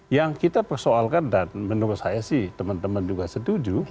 yang kita persoalkan dan menurut saya sih teman teman juga setuju